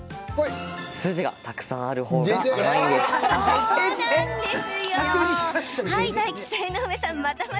筋がたくさんある方が甘いんです。